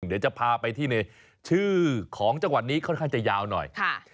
เดี๋ยวจะพาไปที่ในชื่อของจังหวัดนี้ค่อนข้างจะยาวหน่อย